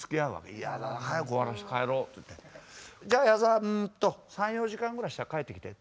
イヤだな早く終わらせて帰ろうって言って「じゃあ矢沢うんと３４時間ぐらいしたら帰ってきて」って。